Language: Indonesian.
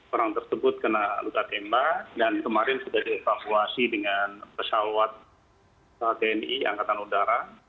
orang tersebut kena luka tembak dan kemarin sudah dievakuasi dengan pesawat tni angkatan udara